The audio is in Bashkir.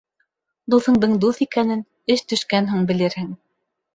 Дуҫыңдың дуҫ икәнен эш төшкән һуң белерһең.